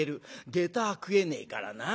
下駄は食えねえからな。